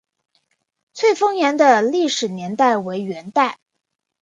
翠峰岩的历史年代为元代。